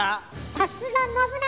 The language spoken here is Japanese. さすが信長！